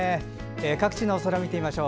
各地の空を見てみましょう。